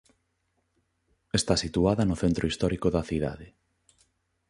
Esta situada no centro histórico da cidade.